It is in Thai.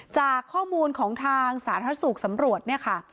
จากข้อมูลของทางสาธารณสุขสำรวจเนี่ยค่ะ